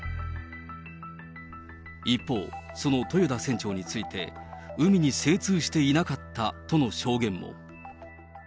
一方、その豊田船長について、海に精通していなかったとの証言も。